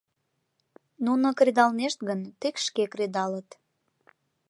Нуно кредалнешт гын, тек шке кредалыт.